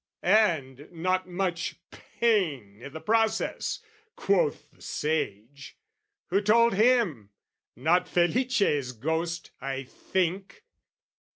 "And not much pain i' the process," quoth the sage: Who told him? Not Felice's ghost, I think!